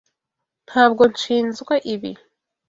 Ntabwo nshinzwe ibi.